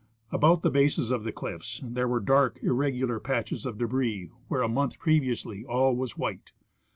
About the bases of the cliffs there were dark, irregular patches of debris, where a month previously all was white.